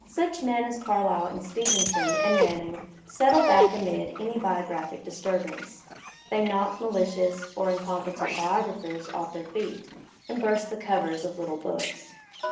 Such men as Carlyle and Stevenson and Manning settle back amid any biographic disturbance. They knock ma Hdous or incompetent biographers off their feet, and burst the covers of little books.